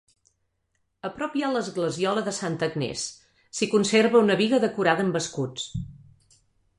A prop hi ha l'esglesiola de Santa Agnés, s'hi conserva una biga decorada amb escuts.